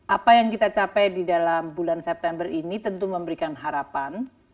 apa yang kita capai di dalam bulan september ini tentu memberikan harapan